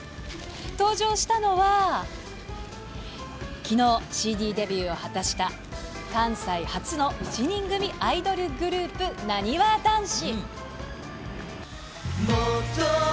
登場したのは、きのう、ＣＤデビューを果たした関西初の７人組アイドルグループ、なにわ男子。